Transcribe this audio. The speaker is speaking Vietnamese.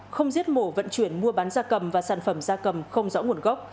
không giết mổ vận chuyển mua bán da cầm và sản phẩm da cầm không rõ nguồn gốc